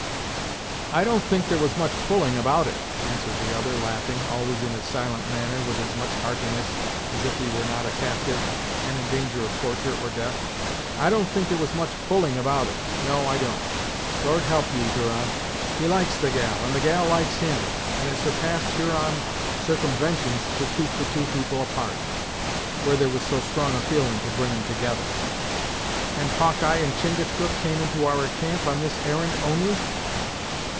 "I don't think there was much pulling about it," answered the other, laughing, always in his silent manner, with as much heartiness as if he were not a captive, and in danger of torture or death "I don't think there was much pulling about it; no I don't. Lord help you, Huron! He likes the gal, and the gal likes him, and it surpassed Huron sarcumventions to keep two young people apart, where there was so strong a feelin' to bring 'em together." "And Hawkeye and Chingachgook came into our camp on this errand, only?"